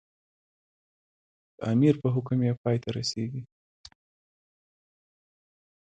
د امیر په حکم یې پای ته رسېږي.